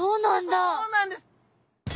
そうなんです！